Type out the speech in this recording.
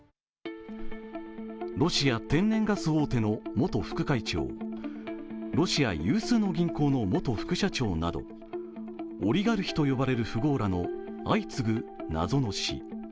ロシア天然ガス大手の元副会長、ロシア有数の銀行の元副社長などオリガルヒと呼ばれる富豪らの相次ぐ謎の死。